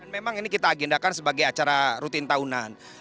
memang ini kita agendakan sebagai acara rutin tahunan